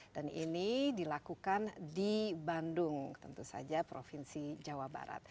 dan ini dilakukan di bandung tentu saja provinsi jawa barat